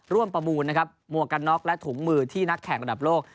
ประมูลนะครับหมวกกันน็อกและถุงมือที่นักแข่งระดับโลก